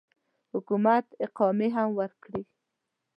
حکومت اقامې هم ورکړي.